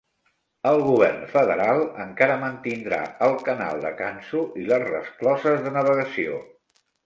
El govern federal encara mantindrà el canal de Canso i les rescloses de navegació.